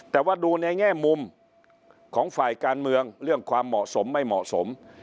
แต่ว่าดูในแง่มุมของฝ่ายการเมืองเรื่องความเหมาะสมไม่เหมาะสม